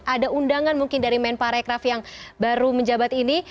ada undangan mungkin dari men parekraf yang baru menjabat ini